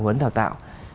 tập huấn đào tạo